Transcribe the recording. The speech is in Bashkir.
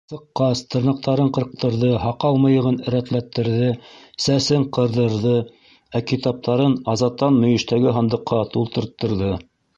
Сыҡҡас, тырнаҡтарын ҡырҡтырҙы, һаҡал-мыйығын рәтләттерҙе, сәсен ҡырҙырҙы, ә китаптарын Азаттан мөйөштәге һандыҡҡа тултырттырҙы.